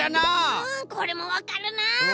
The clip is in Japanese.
うんこれもわかるな。